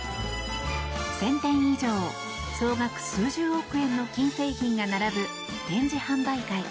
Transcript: １０００点以上、総額数十億円の金製品が並ぶ展示販売会。